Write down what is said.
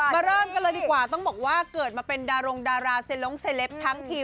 เริ่มกันเลยดีกว่าต้องบอกว่าเกิดมาเป็นดารงดาราเซลงเซลปทั้งที